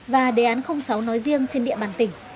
và đề án sáu nói riêng trên địa bàn tỉnh